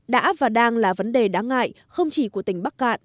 đã và đang là vấn đề đáng ngại không chỉ của tỉnh bắc cạn